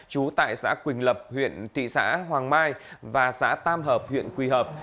trú tại xã quỳnh lập huyện thị xã hoàng mai và xã tam hợp huyện quỳ hợp